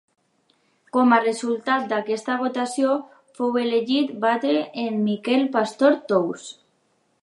Com a resultat d'aquesta votació fou elegit batlle en Miquel Pastor Tous.